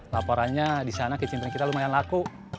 laporannya di sana kecintaan kita lumayan laku